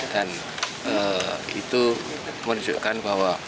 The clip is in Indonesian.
dan itu menunjukkan bahwa